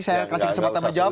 saya kasih kesempatan menjawab